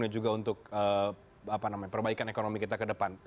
dan juga untuk perbaikan ekonomi kita ke depan